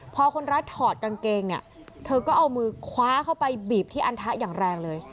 พอคนร้ายถอดกางเกงเนี่ยเธอก็เอามือคว้าเข้าไปบีบที่อันทะอย่างแรงเลย